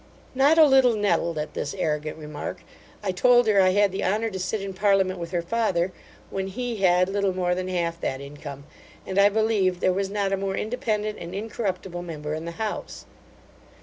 Not a little nettled at this arrogant remark, I told her, I had the honour to sit in parliament with her father, when he had little more than half that income; and I believed there was not a more independent and incorruptible member in the house.